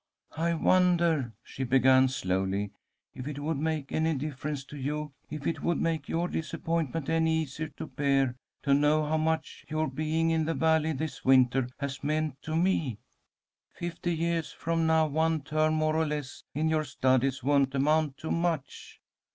"I wonder," she began, slowly, "if it would make any difference to you if it would make your disappointment any easier to bear to know how much your being in the Valley this winter has meant to me. Fifty years from now one term more or less in your studies won't amount to much.